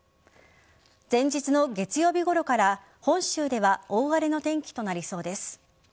前日の月曜日ごろから本州では大荒れの天気となりそうです。